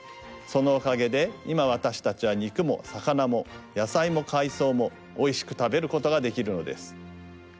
そのおかげでいまわたしたちはにくもさかなも野菜も海藻もおいしく食べることができるのです。